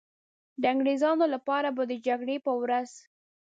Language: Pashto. د انګریزانو لپاره به د جګړې په ورځ.